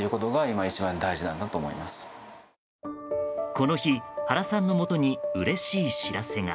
この日、原さんのもとにうれしい知らせが。